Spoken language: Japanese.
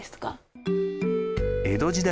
江戸時代